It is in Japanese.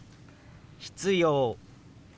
「必要」。